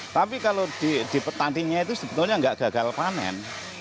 tapi kalau di petani itu sebenarnya nggak gagal panen